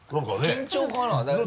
緊張かな？